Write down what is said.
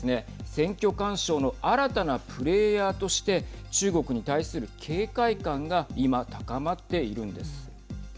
選挙干渉の新たなプレーヤーとして中国に対する警戒感が今、高まっているんです。